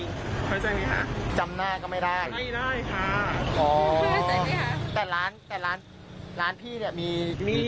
เข้าใจไหมคะจำหน้าก็ไม่ได้ไม่ได้ค่ะอ๋อแต่ร้านพี่เนี่ยมี